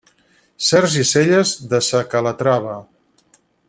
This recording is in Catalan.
Sergi Selles, de sa Calatrava.